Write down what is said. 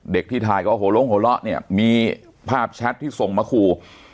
เด็กที่ถ่ายกับโหล้งโหละเนี้ยมีภาพแชทที่ส่งมาคู่